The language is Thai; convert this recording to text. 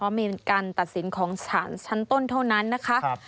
มีการตัดสินของสารชั้นต้นเท่านั้นนะคะ